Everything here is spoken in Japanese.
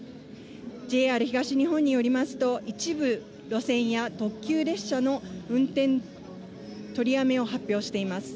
ＪＲ東日本によりますと、一部、路線や特急列車の運転取りやめを発表しています。